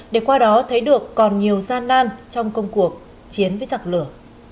để qua đó thấy được còn nhiều gian nan trong công cuộc chiến với giặc lửa